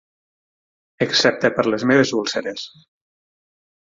Excepte per les meves úlceres.